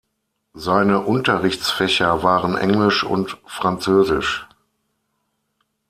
Seine Unterrichtsfächer waren Englisch und Französisch.